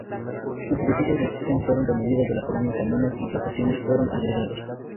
Los edificios existentes fueron removidos de la colina, caminos y plantaciones fueron agregados.